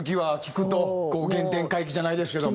聴くと原点回帰じゃないですけども。